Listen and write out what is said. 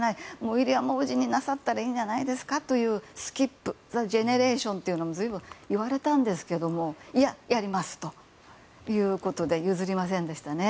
ウィリアム王子になさったらいいんじゃないですかというスキップジェネレーションも随分、生まれたんですけどもいや、やりますということで譲りませんでしたね。